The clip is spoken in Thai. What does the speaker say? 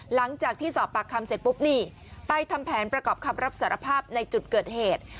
หลังจากที่สอบปากคำเสร็จปุ๊บนี่ไปทำแผนประกอบคำรับสารภาพในจุดเกิดเหตุ